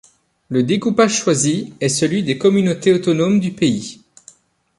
Le découpage choisi est celui des communautés autonomes du pays.